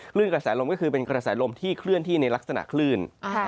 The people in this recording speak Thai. คลื่นกระแสลมก็คือเป็นกระแสลมที่เคลื่อนที่ในลักษณะคลื่น